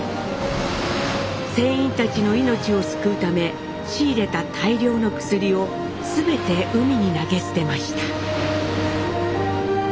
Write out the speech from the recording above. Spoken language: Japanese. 船員たちの命を救うため仕入れた大量の薬を全て海に投げ捨てました。